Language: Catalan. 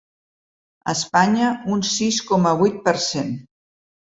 A Espanya, un sis coma vuit per cent.